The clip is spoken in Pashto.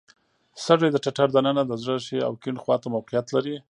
سږي د ټټر د ننه د زړه ښي او کیڼ خواته موقعیت لري.